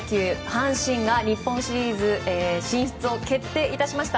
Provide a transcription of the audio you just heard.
阪神が日本シリーズ進出を決定いたしました。